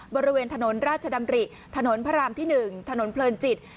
บริเวณถนนราชดำริถนนพระรามที่๑ถนนเพลินจิต